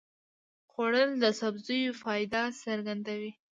خوړل د سبزیو فایده څرګندوي